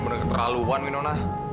nanti bisa diatur